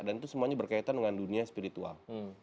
dan itu semuanya berkaitan dengan dunia spiritual